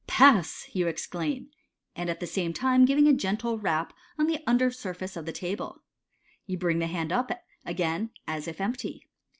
" Pass !" you exclaim, at the same time giving a gentle rap on the under surface of the table. You bring the hand up again as if empty.